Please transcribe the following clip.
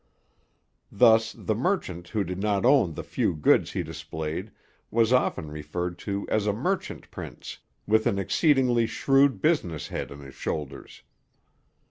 Thus, the merchant who did not own the few goods he displayed was often referred to as a merchant prince, with an exceedingly shrewd business head on his shoulders.